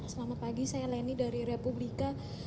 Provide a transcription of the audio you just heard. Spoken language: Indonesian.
selamat pagi saya leni dari republika